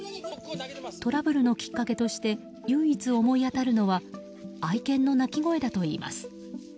トラブルのきっかけとして唯一、思い当たるのは愛犬の鳴き声だといいます。